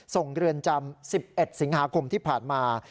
เรือนจำ๑๑สิงหาคมที่ผ่านมา